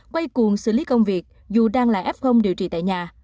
quay cuồng xử lý công việc dù đang là f điều trị tại nhà